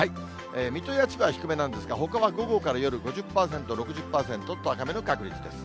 水戸や千葉は低めなんですが、ほかは午後から夜５０％、６０％と、ちょっと高めの確率です。